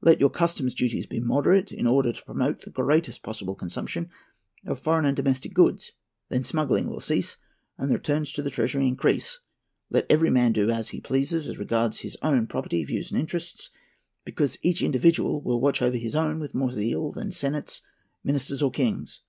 Let your customs' duties be moderate, in order to promote the greatest possible consumption of foreign and domestic goods; then smuggling will cease and the returns to the treasury increase. Let every man do as he pleases as regards his own property, views, and interests; because each individual will watch over his own with more zeal than senates, ministers, or kings.